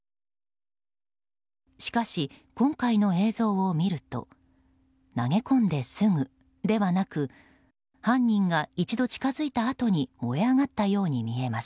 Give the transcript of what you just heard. しかし今回の映像を見ると投げ込んで、すぐではなく犯人が一度近づいたあとに燃え上がったように見えます。